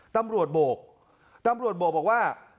ตำรวจโบกตำรวจโบกบอกว่า